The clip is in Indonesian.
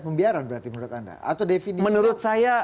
pembiaran berarti menurut anda atau definisinya